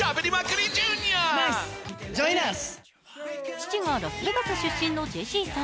父がラスベガス出身のジェシーさん。